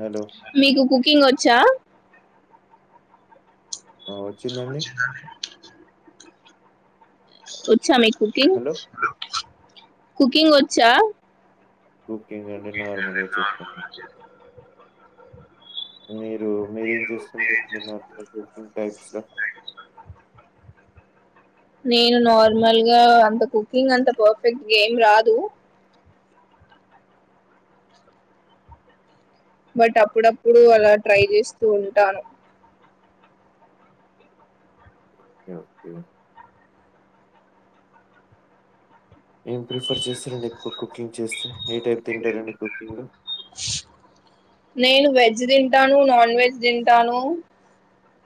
Hello మీకు cooking వచ్చ్ చా. ఆ! వచ్చిందండి. చిన్నడించ్. వచ్చా మీకు. కుకింగ్. హలో! కుకింగ్ వచ్చా. కుకింగ్ అంటే నార్మల్గా చేతాను. మీరు మీరేం చేస్కొని తింటుంటారు కుకింగ్ టైప్స్ లా నేను నార్మల్ గా అంత కుకింగ్ అంత పర్ఫెక్ట్ ఏమ్ రాదు బట్ అప్పుడప్పుడు అలా ట్రై చేస్తూ ఉంటాను ఓకే ఓకే ఏం ప్రిఫర్ చేస్తారండి ఎక్కువ కుకింగ్ చేస్తే ఏ టైప్ తింటారండి కుకింగ్ నేను వెజ్ తింటాను నాన్ వెజ్ తింటాను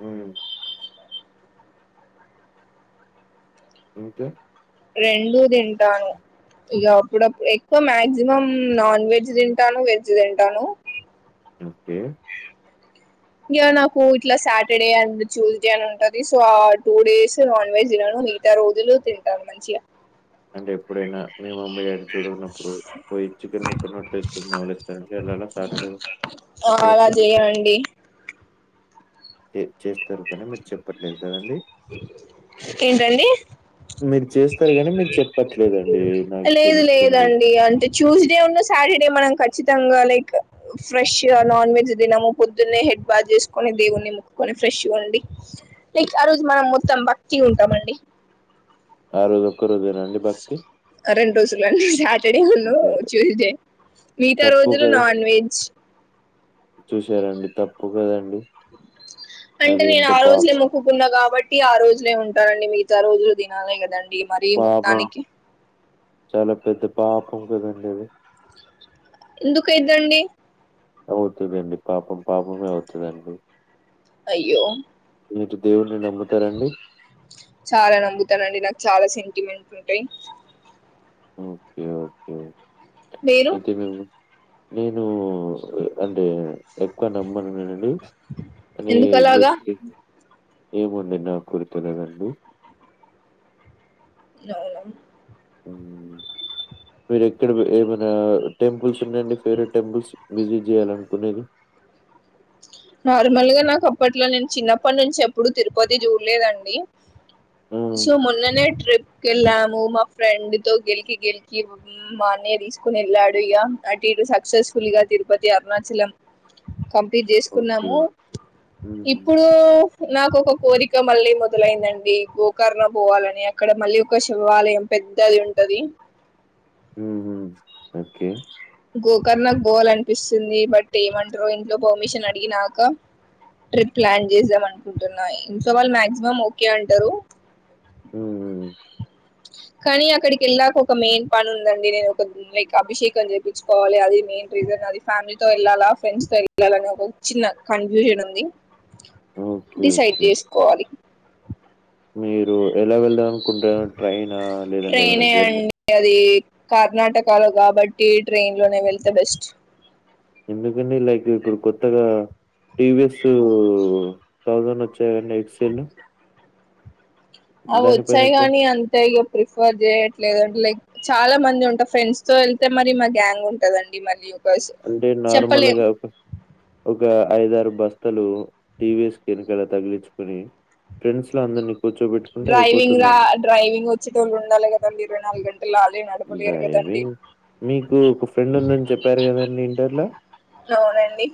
హుమ్ ఇంక రెండు తింటాను ఇగ ఇప్పుడు ఎక్కువ మాక్సిమం నాన్ వెజ్ తింటాను వెజ్ తింటాను ఓకే ఇంకా నాకు ఇట్లా సాటర్డే అండ్ ట్యూస్డే అని ఉంటది సో ఆ టూ డేస్ నాన్ వెజ్ తినను మిగతా రోజులు తింటాను మంచిగా అంటే ఎప్పుడైనా మీ మమ్మీ డాడీ చూడనప్పుడు పోయి చికెన్ ముక్క నోట్లు వేసుకుంట నవలేస్తర సటర్డే ఆ, అలా అప్పుడప్పుడు చేయండి చె చె చేస్తరు కానీ మీరు చెప్పట్లేదు కదండి ఏంటండి మీరు చేస్ తరు గానీ మీరు చెప్ లేదు లేదండి అంటే ట్యూస్డే ఉన్న సాటర్డే మనం క ఖచ్చితంగా లైక్ ఫ్రెష్ గా నాన్ వెజ్ తినము పొద్దున్నే హెడ్ బాత్ చేసుకొని దేవుణ్ణి ముక్కుకొని ఫ్రెష్గా ఉండి లైక్ ఆ రోజు మనం మొత్తం భక్తిగ్ ఉంటమండి ఆ రోజు ఒక్క రోజేన అండి భక్తి రెండు రోజులండి సాటర్డే నూ అంటే ట్యూస్డే మిగతా తప్పు రోజులు కదా! నాన్ వెజ్ ఉగాది అండి అంటే నేను ఆ రోజులే మొక్కుకున్నా కాబట్టి ఆ రోజులే వుంటానండి అంటే మిగతా రోజులు దినాలే కదండి ఇ మరీ పాపం. మొత్తానికి చాలా పెద్ద పాపం కదండి అది ఎందుకైద్దండి అవుతదండి పాపం పాపమే అవుతదండి అయ్యో ఇటు దేవుని నమ్ముతు చాలా నమ్ముతానండి నాకు చాలా సెంటిమెంట్ ఉంటయ్ ఓకే ఓకే మీరు అయితే మేము నేను అంటే ఎక్కువ నమ్మను నేనండి అదీ ఎందుకలాగా జస్కి ఏముంది న కొరికలేనండి న ఊమ్ మీరు ఎక్కడ ప ఏమనా టెంపుల్స్ ఉన్నాయండి ఫేవరేట్ టెంపుల్స్ విజిట్ చేయాలనుకునేది నార్మల్గా నాకు అప్పట్లో నేను చిన్నప్పటి నుంచి ఎప్పుడు తిరుపతి జూడలేదండి. ఆ! సో మొన్ననే ట్రిప్ కెళ్ళాము మా ఫ్రెండ్ తో గెలికి గెలికి మా అన్నయ తీసుకొని ఎళ్ళాడు ఇగ, అటు ఇటు సక్సెస్ఫుల్ గా తిరుపతి, అరుణాచలం కంప్లీట్ జే. ఓకే. కున్నాము హుహు. ఇప్పుడు నాకు ఒక కోరిక మళ్ళీ మొదలైందండి. గోకర్ణ పోవాలని అక్కడ మళ్ళీ ఒక శివాలయం పెద్దది ఉంటది. హుహు. ఓకే గోకర్ణకు బోవాలనిపిస్తుంది, బట్ ఏమంటారో ఇంట్లో పర్మిషన్ అడిగినక ట్రిప్ ప్లాన్ చేసాం అనుకుంటున్నా ఇంట్లో వాళ్ళు మాక్సిమం ఓకే అంటరు. హ్మ్. కానీ అక్కడికి వెళ్ళాకా ఒక మెయిన్ పని ఉందండి. నేను ఒక లైక్ అభిషేకం జెపించుకోవాలి అది మెయిన్ రీజన్ అది, ఫ్యామిలీతో ఎళ్ళాలా, ఫ్రెండ్స్ తో ఎళ్ళాలా, అనే ఒక చిన్న కన్ఫ్యూజన్ ఉంది. ఓకే. Decide okay. జేస్ కోవాలి ఓ ఎలా వెళ్దాం కుంటే ట్రైనా లేదంటే ఏమైనా ట్రైనే జర్నీ అండి అది కర్ణాటకలో కాబట్టి ట్రైన్ లోనే వెళ్తే బెస్ట్ ఎందుకని లైక్ ఇప్పుడు కొత్తగా టీవిఎస్ థౌసండ్ వచ్చాయ్ అండి ఎక్సెల్ అవి ఒచ్చాయి గానీ అంతే ఇక ప్రిఫర్ చేయట్లేదు అంటే లైక్ చాలా మంది ఉంటారు ఫ్రెండ్స్ తో వెళ్తే మరి మా గ్యాంగ్ ఉంటదండి మళ్ళీ ఒ అంటే నార్మల్ గా ఒక ఒక ఐదరు బస్తలు టీవిస్ ఎనకలా తగిలించుకుని ఫ్రెండ్స్ లో అందర్ని డ్రైవింగ్ రా డ్రైవింగ్ ఒచ్చేటోళ్ళు ఉండాలి కదండి ఇరవై నాలుగు గం డ్రైవింగ్ మీకూ ఒక ఫ్రెండ్ ఉందని చెప్పారు కదండి ఇంటర్లో అవునండి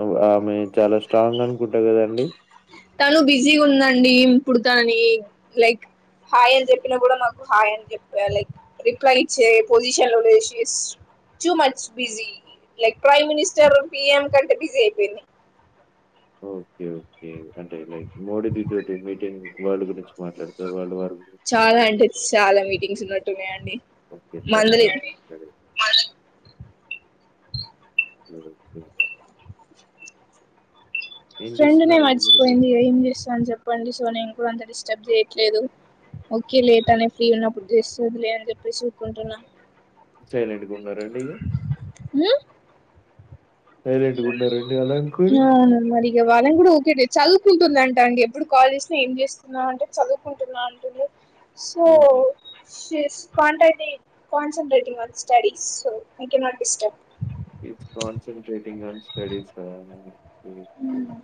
అవ్ ఆప్ మీర్ చాలా స్ట్రాంగ్ అన్ తను బిజీగ ఉందండీ ఇప్పుడు తన్ [unintelligible] లైక్ హాయ్ అని చెప్పినా కూడా నాకు హాయ్ అని చెప్పలె రిప్లై ఇచ్చే పొజిషన్ లో she's too much busy like prime minister PM కంటే బిజీ అయిపోయింది. మోడీ దిదోటీ మీటింగ్ వల్డ్ గురించ్ చాలా అంటే చాలా మీటింగ్ పూసినట్టు మే యండీ ఒకే తనేనా మాట్లాడేది [inaudible] ఏం ఫ్రెండ్ నే చేస్తున్నారండి మీరు? మీరు మర్చిపోయింది ఏం జెస్తాం చెప్ చెప్పండి సో నేను కూడా అంత డిస్టర్బ్ చేయట్లేదు ఒకే లేట్ అనే ఫ్రీ ఉన్నప్పుడు చేస్తుంది లే అని చెప్పేసి ఊకుంటున్నా సైలెంట్ గా ఉన్నారండీ ఉహ్ సైలెంట్ గా ఉన్నారన్ ఆ మరి ఇగా వాళ్ళను కూడా ఒకే చదువుకుంటుంది అంట అండీ ఎప్పుడు కాల్ చేసినా ఏం చేస్తున్నా అంటే చదువుకుంటున్నా అంటుంది సో హుహు. శే స్ quantity concentrate your studies so I cannot disturb it's concentrating on స్టడీసా హు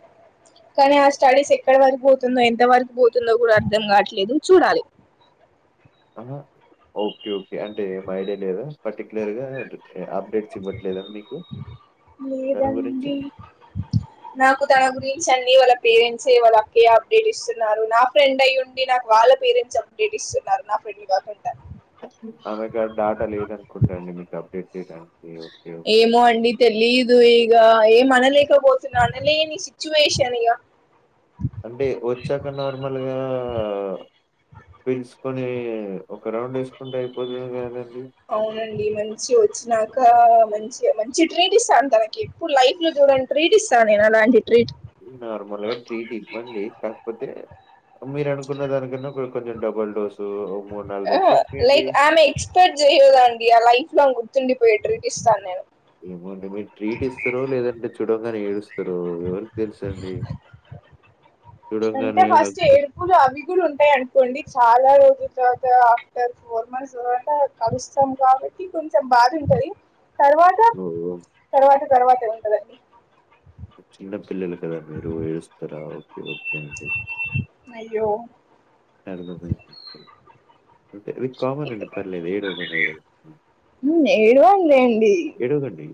కానీ ఆ స్టడీస్ ఎక్కడ వరకు పోతుందో ఎంత వరకు పోతుందో కూడా అర్థం కాట్లేదు చూడాలి అన్నా ఒకే ఒకే అంటే ఏం ఐడియా లేదు పర్టికులర్ గా అప్డేట్స్ ఇవ్వట్లేదా మీకూ లేదండి నాకు తన గురించి అన్నీ వాళ్ళ పేరెంట్సే వల ఏ అప్డేట్ ఇస్తున్నారు నా ఫ్రెండ్ అయ్యి ఉండి నాకు వాళ్ళ పేరెంట్స్ అప్డేట్ ఇస్తున్నారు నా ఫ్రెండ్ ఆమె కాడ డాటా లేద అనుకుంటా అండీ మీకు అప్డేట్ చేయడానికి ఒకే ఒకే ఏమో అండి తెలీదు ఇగా ఏం అనలేకపోతున్నా అనలేని సిచ్యువేషన్ ఇగ అంటే ఒచ్చాక నార్మల్ గా ఆ పిలుసుకొనీ ఒక రౌండ్ ఎసుకుంటే అయిపోతుంది కాదండీ ఇంకా మంచి మంచి ట్రీట్ ఇస్తాను తనకీ ఎప్పుడు లైఫ్ లో చూడనికి ట్రీట్ ఇస్తాను నేను అలాంటి ట్రీట్ నార్మల్గా ట్రీట్ ఇవ్వండి కాకపోతే మీరు అనుకున్న దానికన్నా కూడా కొంచెం డబల్ డోసూ ఆ లైక్ ఆమె ఎక్సపెక్ట్ చేయు దానికీ లైఫ్ లాంగ్ గుర్తుండిపోయే ట్రీట్ ఇస్తాను నేను ఏమంటే మీరు ట్రీట్ ఇస్తరో లేదంటే చూడంగానే ఏడుస్తరో ఎవరికి తెలుసండీ అంటే ఫస్ట్ ఎడుపులు అవి కూడా ఉంటాయి అనుకోండి చాలా రోజులు తర్వాత ఆఫ్టర్ ఫోర్ మంత్స్ తర్వాత కలుస్తం కాబట్టి కొంచెం బాధ ఉంటది తర్వాత చేస్తారో తర్వాత తర్వాత ఉంటదండి చిన్న పిల్లలు కదా మీరు ఏడుస్తారా? ఓకే అండి అయ్యో అ అది కామన్ అ పర్లేదు ఏడవకండి ఉమ్ ఏడవకండి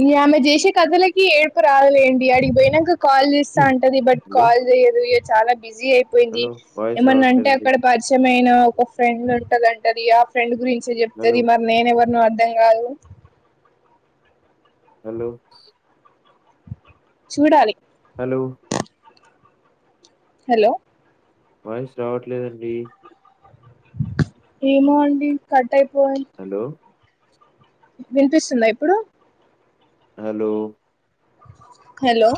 ఇంగ ఆమె చేసే కథలకి ఏడుపు రాదులేండి అడిపోయినక కాల్ చేస్తా అంటది బట్ హలో! కాల్ చేయదు చాలా బిజీ అయిపోయింది హలో వాయిస్ ఏమన్నా అంటే రావట్లేదండి. అక్కడ పరిచయం అయినా ఒక ఫ్రెండ్ ఉంటదంటది ఆ ఫ్రెండ్ గురి తది హలో చెప్తది మారి నేనెవరు దం గాదు హలో చూడాలి హలో హలో వాయిస్ రావట్లేదండి ఏమో అండి క టై పోయిన్ హలో వినిపిస్తుందా ఇప్పుడు హలో హలో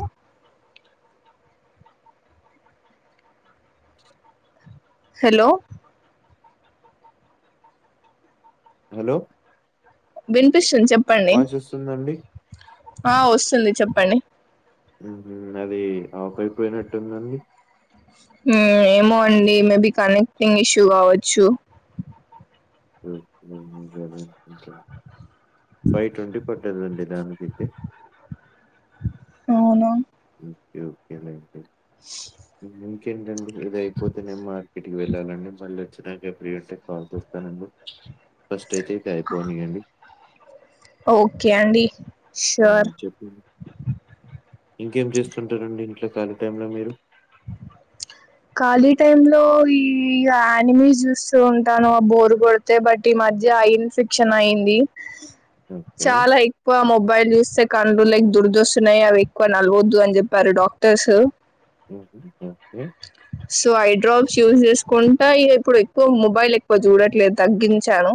హలో హలో విన్పిస్న్ స వాయిస్ వస్సుదండి ఆ వస్తుంది చెప్పండి ఉ అది ఆఫ్ అయిపోయినట్టుందండి ఉ ఏమో అండి మేబి కనెక్టింగ్ ఇష్యూ కావచ్చు. అ [unintelligible] ఫైవ్ ట్వంటీ ప [unintelligible] నండి దానికైతే అవున ఒక్కే ఒక్కే లేండి [unintelligible] కేంటండి ఇదయిపోతే నేను మార్కెట్కి వెళ్ళలండి మళ్ళీ [unintelligible] క్రియేటర్స్ ట్రాన్స్పోర్ట్ రానండి ఫస్ట్ అయితే ఇతైపోనియండి. ఓకే అండి షూర్ హ్మ్ చెపు ఇంకేం చేస్తుంటారండి ఇంట్లో కాలి టైంలో మీరు ఖాళీ టైంలో ఈ గా అనిమిస్ చూస్తూ ఉంటాను. ఆ బోరు కొడితే, బట్ ఈ మధ్య ఐ ఇన్ఫెక్షన్ అయింది. ఓకే. చాలా ఎక్కువ మొబైల్ చూస్తే కండ్లు లైక్ దురదొస్తున్నాయి. అవేక్కువ నలవద్దు అని చెప్పారు డాక్టర్స్. [unintelligible] సో ఐడ్రాప్స్ యూస్ చేసుకుంటా, ఇగ ఇప్పుడు ఎక్కువ మొబైల్ ఎక్కువ చూడట్లేదు. తగ్గించాను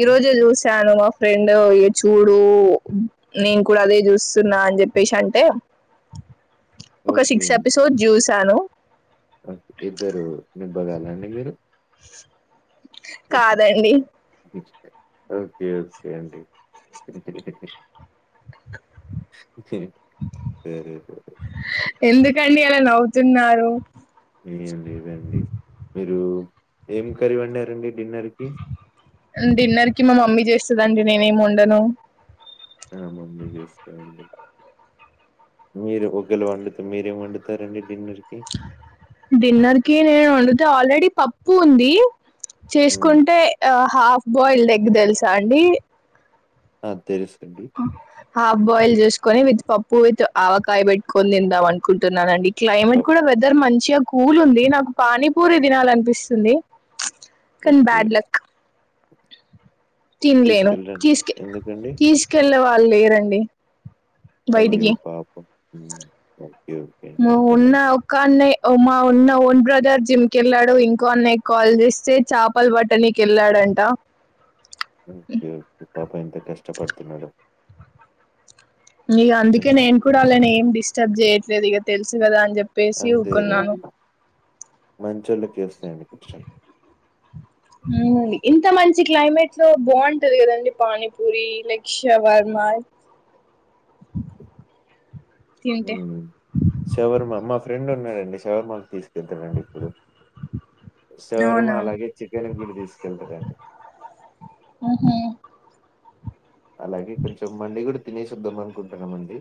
ఈ రోజే చూసాను మా ఫ్రెండ్ ఇ చూడు నేన్ కూడా అదే చూస్తున్నా అని చెప్పేసి అంటే. ఒక ఓకే. సిక్స్ అండి. ఎపిసోడ్ జ్యూస్ చను ఓకే. ఇద్దరు నిబ్బగల్లండి మీరు కాదండి ఓకే ఓకే అండి వేర్ [unintelligible] కండీ అలా నవ్వుతున్నారు ఏంలేదండి మీర్ మీరు ఏం కర్రీ వండరండి డిన్నర్ కి డిన్నర్ కి మా మమ్మీ చేస్తుందండి నేనేఏం బండను ఆ మమ్మీ చూస్తేయండి మీరు ఒకళ వండుత మీరేం వండుతారండి డిన్నర్కి డిన్నర్ కి నేను ఉండి ఆల్రెడీ పప్పు ఉంది హ్మ్. చేసుకుంటే ఆ హాఫ్ బాయిల్డ్ ఎగ్ తెలుసా అండి అ తెలుసుండి హాఫ్ బాయిల్ చేసుకొని విత్ పప్పు విత్ ఆవకాయ పెట్టుకొని తిందాం అనుకుంటున్నానండి క్లమేట్ పప్ కూడా వెదర్ మంత మచ్చగా కూల్ ఉంది నాకు పానీపూరి తినాలనిపిస్తుంది కన్ ఓకే. బ్యాడ్ లక్ తినలేను తీసుకెళ్ళండి. తీసుకె ఎందుకండి? తీసుకెళ్లవ వాళ్ళు లేరండి అయ్యో పాపం ఓ ఉ ఉన్న ఒకాన్న మా ఉన్న ఓన్ బ్రదర్ జిమ్కిెళ్ళాడు ఇంకో అన్న కాల్ చేస్తే చేపలు బట్టనీక వెళ్ళాడంట ఒకే ఒకే పాపం ఎంత కష్టపడుతున్నాడు ఇగ అందుకే చన్ నేను కూడా అలానే ఏం డిస్టర్బ్ చేయ దిగా తెలుసు కదా అని చెప్పి పేసి ఊకునాను మంచళ్ళ కేసు హ ఇంత మంచి మంచి క్లైమేట్ లో బాగుంటది కదండి పానీపూరి లైక్ షవర్మ ఉ తింటే శవర్మా మా ఫ్రెండ్ ఉండండి శవరంకి తీసుకెళ్తానండి ఇప్పుడు శషవర్మా అవునా అలాగే చికెన్ ఇంలో తీసుకెళ్తారండి అలాగే కొచం మడి కుడుతు చద్ద్దం అనుకుంటున్నామండి